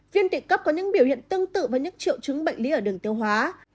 viên tụy cấp có những biểu hiện tương tự với những triệu chứng bệnh lý ở đường tiêu hóa